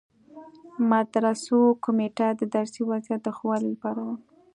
مدرسو کمیټه د درسي وضعیت د ښه والي لپاره ده.